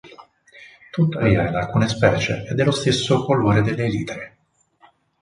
Tuttavia in alcune specie è dello stesso colore delle elitre.